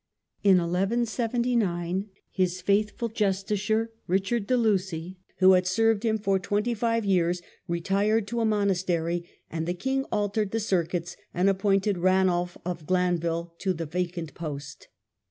In 11 79 his faithful justiciar, Richard de Lucy, who had served him for twenty five years, retired to a monastery, and the king altered the circuits, and appointed Ranulf of Glanville to the vacant post.